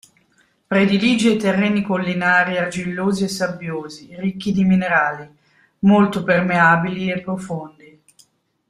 Predilige i terreni collinari argillosi e sabbiosi, ricchi di minerali, molto permeabili e profondi.